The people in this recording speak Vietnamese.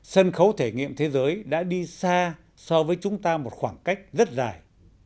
sân khấu thể nghiệm thế giới đã đi xa so với chúng ta một khoảng cách rất dài